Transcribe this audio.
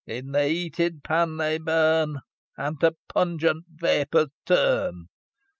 In the heated pan they burn, And to pungent vapours turn.